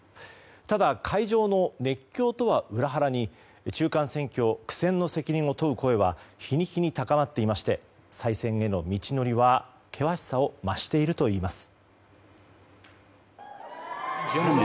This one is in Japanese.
ただ、会場の熱狂とは裏腹に中間選挙の責任を問う声は日に日に高まっていまして再選への道のりは険しさを増しているといいます。